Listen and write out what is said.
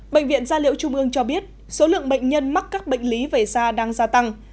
bệnh viện gia liễu trung ương cho biết số lượng bệnh nhân mắc các bệnh lý về da đang gia tăng